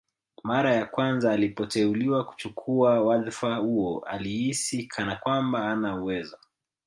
Mara ya kwanza alipoteuliwa kuchukua wadhfa huo alihisi kana kwamba hana uwezo